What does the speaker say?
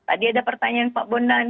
tadi ada pertanyaan pak bondan